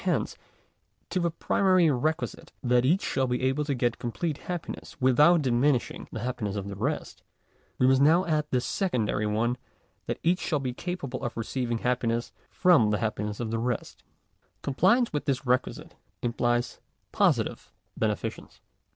Hence, to the primary requisite that each shall be able to get complete happiness without diminishing the happiness of the rest, we must now add the secondary one that each shall be capable of receiving happiness from the happi ness of the rest. Compliance with this requisite implies posi tive beneficence.